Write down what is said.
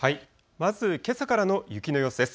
まずけさからの雪の様子です。